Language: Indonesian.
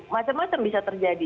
macem macem bisa terjadi